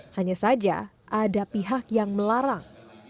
hanya saja ada pihak yang melarang